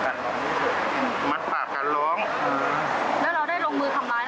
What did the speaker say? ทำร้ายร่างกายเขาไหม